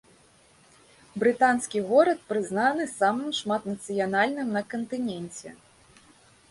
Брытанскі горад прызнаны самым шматнацыянальным на кантыненце.